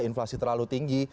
inflasi terlalu tinggi